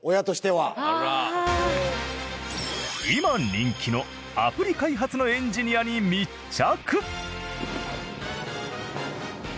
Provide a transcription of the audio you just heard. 今人気のアプリ開発のエンジニアに密着。